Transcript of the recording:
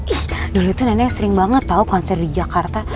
ih dulu itu nenek sering banget tau konser di jakarta